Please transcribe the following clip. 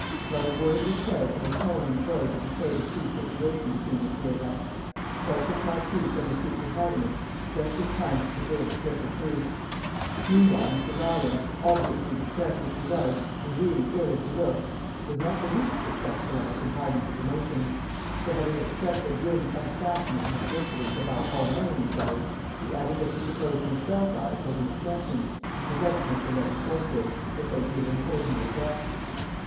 Not a word was said or a tone employed to betray the true situation between the three of us; for I took my cue from the two protagonists just in time to preserve the triple truce. Meanwhile Mr. Garland, obviously distressed as he was, and really ill as he looked, was not the least successful of us in hiding his emotions; for having expressed a grim satisfaction in the coincidence of our all knowing each other, he added that he supposed Miss Belsize was an exception, and presented Mr. Levy forthwith as though he were an ordinary guest.